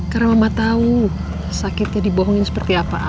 karena mama tahu sakitnya dibohongin seperti apa